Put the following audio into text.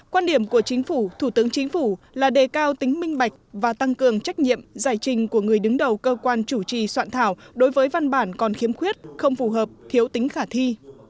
quan điểm của chính phủ thủ tướng chính phủ là đề cao tính minh bạch và tăng cường trách nhiệm giải trình của người đứng đầu cơ quan chủ trì soạn thảo đối với văn bản còn khiếm khuyết không phù hợp thiếu tính khả thi